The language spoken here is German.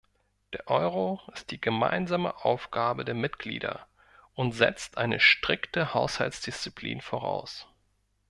Der Euro ist die gemeinsame Aufgabe der Mitglieder und setzt eine strikte Haushaltsdisziplin voraus.